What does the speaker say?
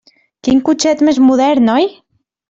Quin cotxet més modern, oi?